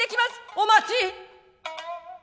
「お待ち。